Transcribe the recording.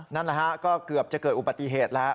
นั่นแหละฮะก็เกือบจะเกิดอุบัติเหตุแล้ว